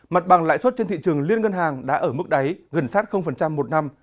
mặt bằng lãi suất trên thị trường liên ngân hàng đã ở mức đáy gần sát một năm